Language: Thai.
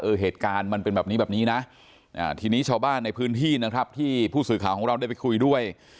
เหตุการณ์มันเป็นแบบนี้แบบนี้นะทีนี้ชาวบ้านในพื้นที่นะครับที่ผู้สื่อข่าวของเราได้ไปคุยด้วย